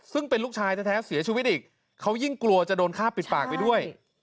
ซึ่งเป็นลูกชายแท้เสียชีวิตอีกเขายิ่งกลัวจะโดนฆ่าปิดปากไปด้วย